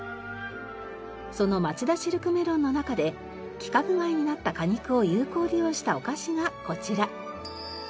そのまちだシルクメロンの中で規格外になった果肉を有効利用したお菓子がこちら。